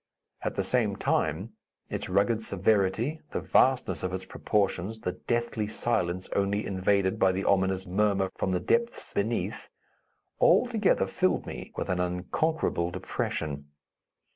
At the same time, its rugged severity, the vastness of its proportions, the deathly silence only invaded by the ominous murmur from the depths beneath, all together filled me with an unconquerable depression.